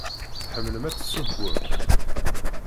Tḥemmlem ad tessewwem?